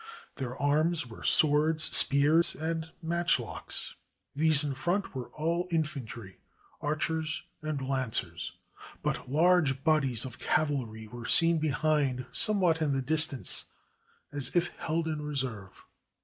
Their arms were swords, spears, and matchlocks. These in front were all infantry, archers, and lancers; but large bodies of cavalry were seen behind somewhat in the distance, as if held in reserve.